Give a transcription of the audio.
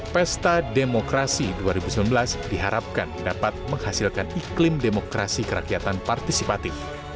pesta demokrasi dua ribu sembilan belas diharapkan dapat menghasilkan iklim demokrasi kerakyatan partisipatif